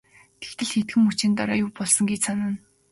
Тэгтэл хэдхэн мөчийн дараа юу болсон гэж санана.